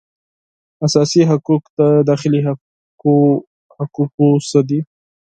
اساسي حقوق د داخلي حقوقو څخه دي